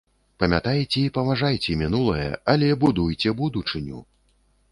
Памятайце і паважайце мінулае, але будуйце будучыню!